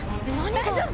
大丈夫？